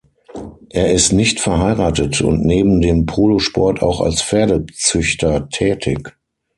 Er ist nicht verheiratet und neben dem Polosport auch als Pferdezüchter tätig.